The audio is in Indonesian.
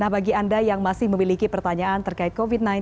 nah bagi anda yang masih memiliki pertanyaan terkait covid sembilan belas